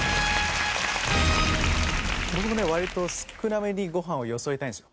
僕もね割と少なめにご飯をよそいたいんですよ。